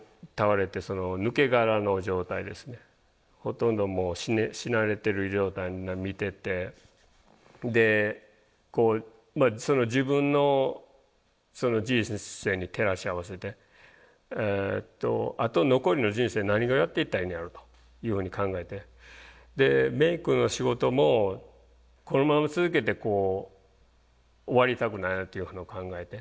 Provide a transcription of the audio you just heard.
ほとんどもう死なれてる状態を見ててでこう自分の人生に照らし合わせてあと残りの人生何をやっていったらいいんやろうというふうに考えてメイクの仕事もこのまま続けてこう終わりたくないなっていうのを考えて。